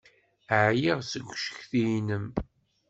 Ɛyiɣ seg ucetki-inem.